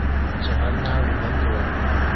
چې غل نه اوړي مال دې واوړي